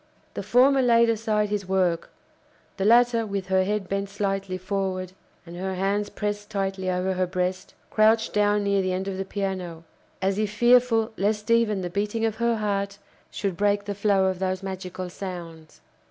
The former laid aside his work; the latter, with her head bent slightly forward, and her hands pressed tightly over her breast, crouched down near the end of the piano, as if fearful lest even the beating of her heart should break the flow of those magical sounds.